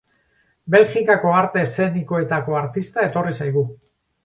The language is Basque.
Belgikako arte eszenikoetako artista etorri zaigu.